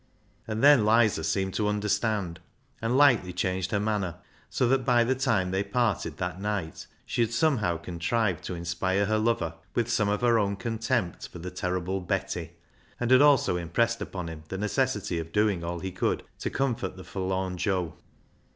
And then Lizer seemed to 304 BECKSIDE LIGHTS understand, and lightly changed her manner, so that by the time they parted that night she had somehow contrived to inspire her lover with some of her own contempt for the terrible Betty, and had also impressed upon him the necessity of doing all he could to comfort the forlorn Joe.